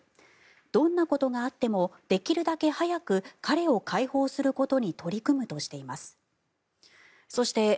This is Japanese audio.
どんなことがあってもできるだけ早く彼を解放することに取り組むとしています。